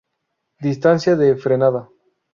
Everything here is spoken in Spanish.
Distancia de frenada